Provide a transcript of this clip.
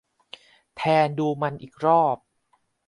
แทนดูมันอีกรอบ